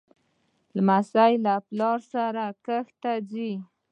لمسی له پلار سره کښت ته ځي.